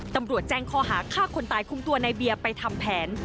ตำรวจแจ้งข้อหาฆ่าคนตายคุมตัวในเบียร์ไปทำแผน